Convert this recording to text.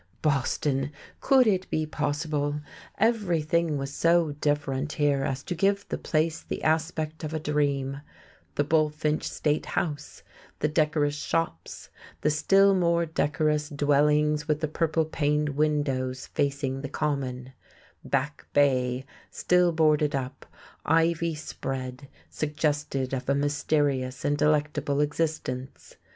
Boston! Could it be possible? Everything was so different here as to give the place the aspect of a dream: the Bulfinch State House, the decorous shops, the still more decorous dwellings with the purple paned windows facing the Common; Back Bay, still boarded up, ivy spread, suggestive of a mysterious and delectable existence.